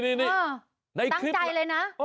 ในคลิปตั้งใจเลยนะ